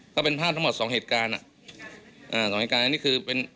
ถ้าเป็นภาพทั้งหมดสองเหตุการณ์อ่ะอ่าสองเหตุการณ์อันนี้คือเป็น